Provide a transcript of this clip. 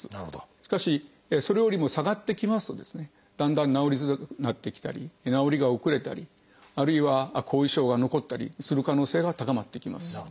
しかしそれよりも下がってきますとだんだん治りづらくなってきたり治りが遅れたりあるいは後遺症が残ったりする可能性が高まっていきます。